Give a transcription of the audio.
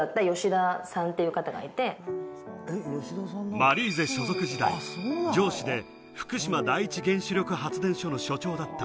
マリーゼ所属時代、上司で福島第一原子力発電所の所長だった、